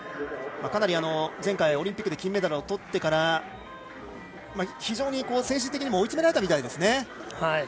かなり、前回オリンピックで金メダルをとってから非常に精神的にも追い詰められたみたいです。